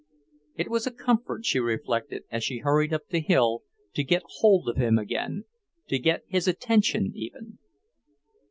It was a comfort, she reflected, as she hurried up the hill, to get hold of him again, to get his attention, even.